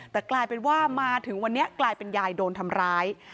แต่กลายเป็นว่ามาถึงวันนี้กลายเป็นยายโดนทำร้าย